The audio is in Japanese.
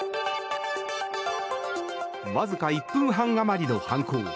わずか１分半余りの犯行。